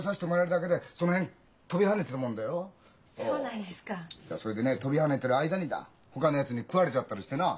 いやそれでね跳びはねてる間にだほかのやつに食われちゃったりしてな。